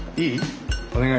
いい？